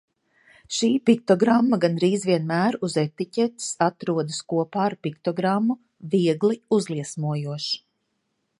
Šī piktogramma gandrīz vienmēr uz etiķetes atrodas kopā ar piktogrammu Viegli uzliesmojošs.